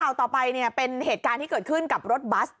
ต่อไปเนี่ยเป็นเหตุการณ์ที่เกิดขึ้นกับรถบัส